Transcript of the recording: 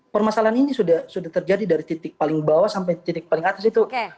permasalahan ini sudah terjadi dari titik paling bawah sampai titik paling atas itu